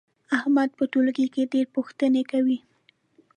احمد په ټولګي کې ډېر پوښتنې کوي.